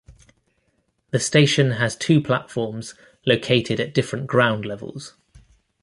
The station has two platforms located at different ground levels.